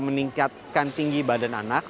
meningkatkan tinggi badan anak